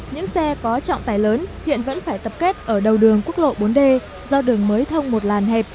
những xe có trọng tải lớn hiện vẫn phải tập kết ở đầu đường quốc lộ bốn d do đường mới thông một làn hẹp